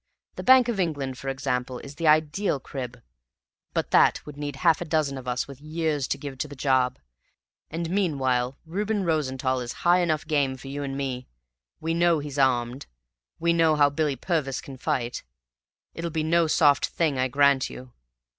The Bank of England, for example, is the ideal crib; but that would need half a dozen of us with years to give to the job; and meanwhile Reuben Rosenthall is high enough game for you and me. We know he's armed. We know how Billy Purvis can fight. It'll be no soft thing, I grant you.